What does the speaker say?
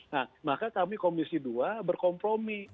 nah maka kami komisi dua berkompromi